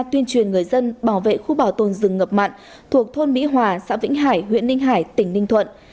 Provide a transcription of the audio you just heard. tuyên truyền người dân bảo vệ khu bảo tồn rừng ngập mặn thuộc thôn mỹ hòa xã vĩnh hải huyện ninh hải tỉnh ninh thuận